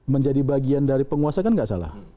menjadi bagian dari penguasa kan nggak salah